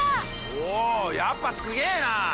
おやっぱすげぇな！